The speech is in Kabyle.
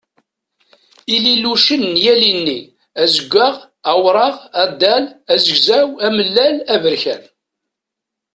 Ililucen n yal inni: azeggaɣ, awṛaɣ, adal, azegzaw, amellal, aberkan.